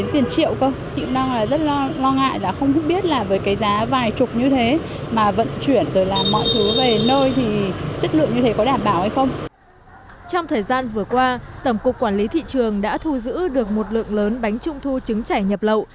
trong thời gian vừa qua tổng cục quản lý thị trường đã thu giữ được một lượng lớn bánh trung thu trứng chảy nhập lậu